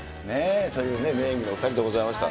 というね、名演技の２人でございました。